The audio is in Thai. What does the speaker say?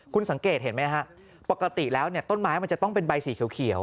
คุณสังเกตเห็นไหมฮะปกติแล้วเนี่ยต้นไม้มันจะต้องเป็นใบสีเขียว